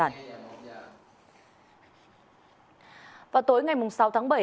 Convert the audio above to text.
vào tối ngày sáu tháng bảy một vụ tai nạn giao thông nghiêm trọng đã xảy ra